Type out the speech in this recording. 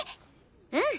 うん。